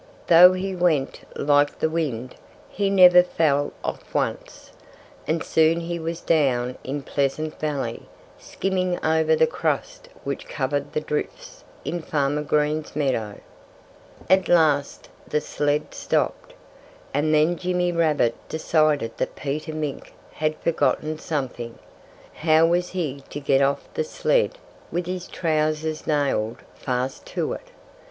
Though he went like the wind, he never fell off once. And soon he was down in Pleasant Valley, skimming over the crust which covered the drifts in Farmer Green's meadow. At last the sled stopped. And then Jimmy Rabbit decided that Peter Mink had forgotten something. How was he to get off the sled with his trousers nailed fast to it?